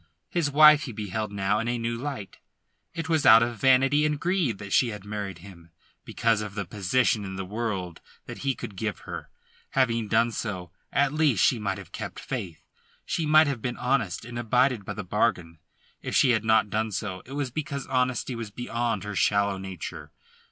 His wife he beheld now in a new light. It was out of vanity and greed that she had married him, because of the position in the world that he could give her. Having done so, at least she might have kept faith; she might have been honest, and abided by the bargain. If she had not done so, it was because honesty was beyond her shallow nature.